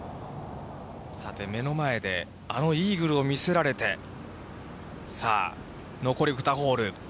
さて、目の前で、あのイーグルを見せられて、さあ、残り２ホール。